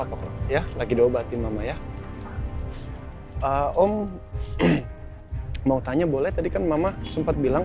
ya lagi diobatin mama ya om mau tanya boleh tadi kan mama sempat bilang